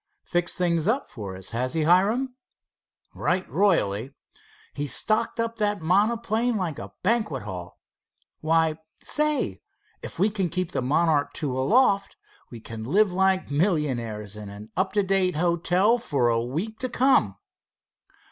"Fixed things up for us, has he, Hiram?" "Right royally. He's stocked up that monoplane like a banquet hall. Why, say, if we can keep the Monarch II aloft, we can live like millionaires in an up to date hotel for a week to come."